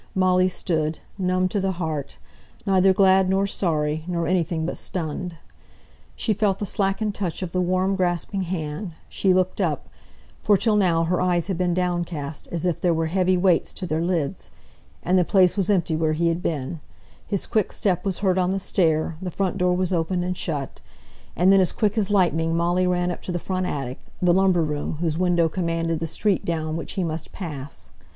Molly stood, numb to the heart; neither glad nor sorry, nor anything but stunned. She felt the slackened touch of the warm grasping hand; she looked up for till now her eyes had been downcast, as if there were heavy weights to their lids and the place was empty where he had been; his quick step was heard on the stair, the front door was opened and shut; and then as quick as lightning Molly ran up to the front attic the lumber room, whose window commanded the street down which he must pass.